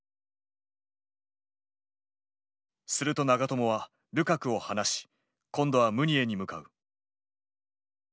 すると長友はルカクを離し今度はムニエに向かう。